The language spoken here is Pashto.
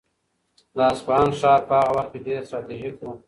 د اصفهان ښار په هغه وخت کې ډېر ستراتیژیک و.